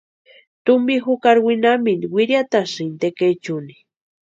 Tumpi jukari winhamintu wiriatasïnti tekechuni.